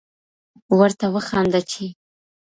ورته وخانده چي